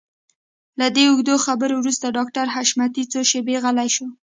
له دې اوږدو خبرو وروسته ډاکټر حشمتي څو شېبې غلی شو.